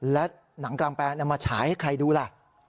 และหนังกลางแปลงมาฉายให้ใครดูล่ะ